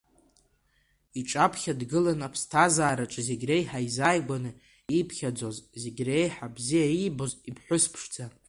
Иҿаԥхьа дгылан, аԥсҭазаараҿы зегь реиҳа изааигәаны ииԥхьаӡоз, зегь реиҳа бзиа иибоз иԥҳәыс ԥшӡа.